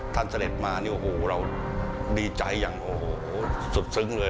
ท่านเสด็จมาโอ้โฮเราดีใจอย่างสุดสึงเลย